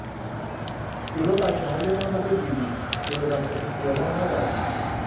جلو بچههایتان را بگیرید که به وسط خیابان ندوند.